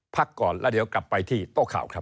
พักก่อนแล้วเดี๋ยวกลับไปที่โต๊ะข่าวครับ